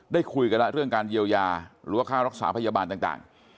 ได้คุยกันแล้วเรื่องการเยียวยาหรือว่าค่ารักษาพยาบาลต่าง